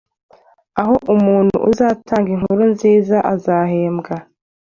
aho umuntu uzatanga inkuru nziza azahembwa